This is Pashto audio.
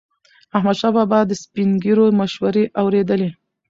احمدشاه بابا به د سپین ږیرو مشورې اورېدلي.